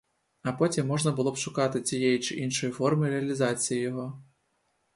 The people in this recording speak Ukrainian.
А потім можна було б шукати тієї чи іншої форми реалізації його.